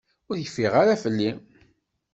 Ur yeffiɣ ara fell-i.